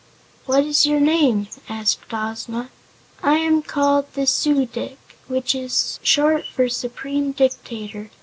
"What is your name?" asked Ozma. "I am called the Su dic, which is short for Supreme Dictator.